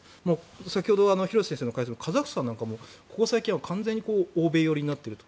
先ほど廣瀬先生の解説でカザフスタンなんかもここ最近は完全に欧米寄りになっていると。